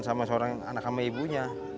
sama seorang anak sama ibunya